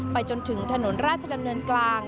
จนถึงถนนราชดำเนินกลาง